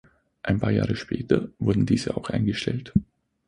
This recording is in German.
Ein paar Jahre später wurden diese auch eingestellt.